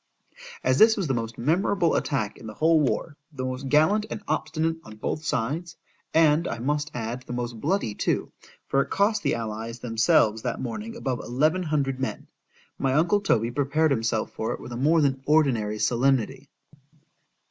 As this was the most memorable attack in the whole war,—the most gallant and obstinate on both sides,—and I must add the most bloody too, for it cost the allies themselves that morning above eleven hundred men,—my uncle Toby prepared himself for it with a more than ordinary solemnity.